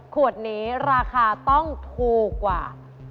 ขวดนี้ราคาต้องถูกกว่า